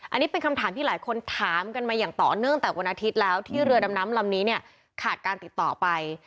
อันนี้เป็นคำถามที่หลายคนถามกันมาอย่างต่อเนื่องแต่วันอาทิตย์แล้วที่เรือดำน้ำลำนี้เนี่ยขาดการติดต่อไป